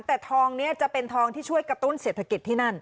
แต่ทองเนี่ยจะเป็นทองที่ช่วยกระตุ้นเสียผลักษณ์ที่นั่น